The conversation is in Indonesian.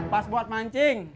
pas buat mancing